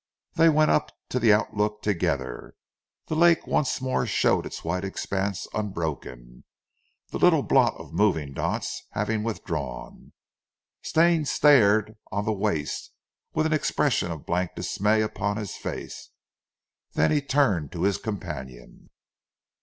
They went up to the outlook together. The lake once more showed its white expanse unbroken; the little blot of moving dots having withdrawn. Stane stared on the waste, with an expression of blank dismay upon his face, then he turned to his companion.